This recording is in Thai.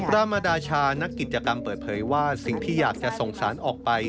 รามดาชานักกิจกรรมเปิดเผยว่าสิ่งที่อยากจะส่งสารออกไป